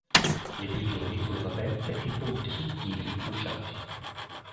Le prigioni furono aperte e i ponti sull Tigri bruciati.